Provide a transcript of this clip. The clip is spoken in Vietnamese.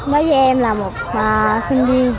bởi vì em là một sinh viên